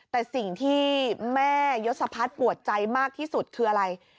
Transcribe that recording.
แต่สิ่งที่แม่ยศพัฒน์ปวดใจมากที่สุดคืออะไร